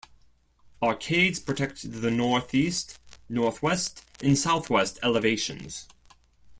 Arcades protect the northeast, northwest and southwest elevations.